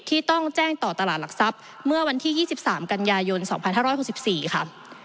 ที่ต้องแจ้งต่อตลาดหลักทรัพย์เมื่อวันที่๒๓กันยายน๒๕๖๔ค่ะ